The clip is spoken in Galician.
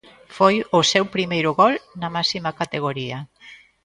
Foi o seu primeiro gol na máxima categoría.